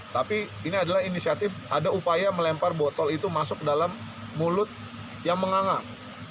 tapi ini adalah inisiatif ada upaya melempar botol itu masuk dalam mulut yang mengangat